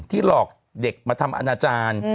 หลอกเด็กมาทำอนาจารย์